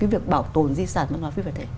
việc bảo tồn di sản văn hóa phi vật thể